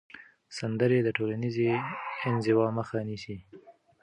سندرې د ټولنیزې انزوا مخه نیسي.